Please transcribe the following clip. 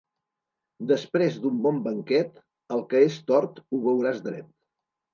Després d'un bon banquet, el que és tort ho veuràs dret.